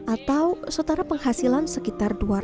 atau setara penghasilan sekitar dua ratus